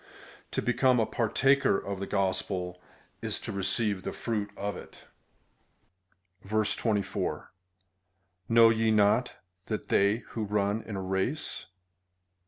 To become a partaker of the gospel is to receive the fruit of it. 24. Know ye not, that they luho run in a race.